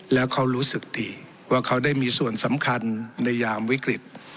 แล้วเขารู้สึกดีว่าเขาได้มีส่วนสำคัญในยามวิกฤต